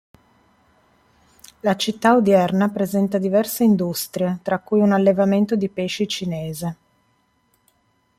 La città odierna presenta diverse industrie, tra cui un allevamento di pesci cinese.